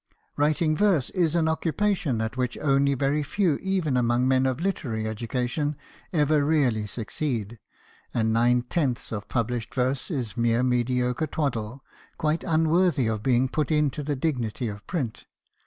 Writing verse is an occupation at which only very few even among men of literary education ever really succeed ; and nine tenths of published verse is mere mediocre twaddle, quite unworthy of being put into the dignity of print.